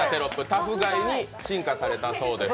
タフガイに進化されたそうです。